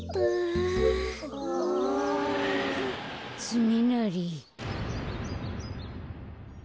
つねなり。